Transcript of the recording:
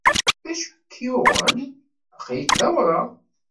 D acu ay k-yuɣen? Aql-ik d awraɣ.